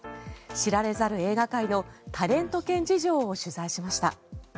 知られざる映画界のタレント犬事情を取材しました。